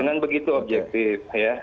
dengan begitu objektif ya